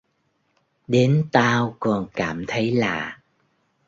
đến tao còn cảm thấy lạ